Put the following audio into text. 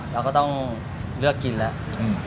เราก็ต้องเลือกกินแล้ว